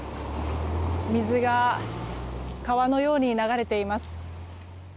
水が川のように流れています。